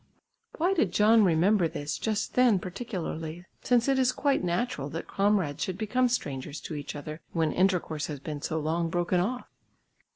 Why did John remember this just then particularly, since it is quite natural that comrades should become strangers to each other when intercourse has been so long broken off?